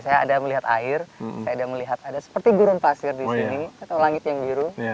saya ada melihat air saya ada melihat ada seperti gurun pasir di sini atau langit yang biru